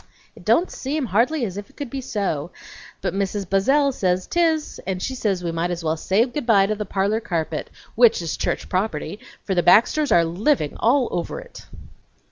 It don't seem hardly as if it could be so, but Mrs. Buzzell says tis, and she says we might as well say good by to the parlor carpet, which is church property, for the Baxters are living all over it!"